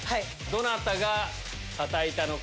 どなたがたたいたのか。